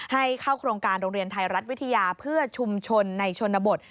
ให้เข้าโครงการโรงเรียนไทยรัฐวิทยาเพื่อชุมชนในชนบท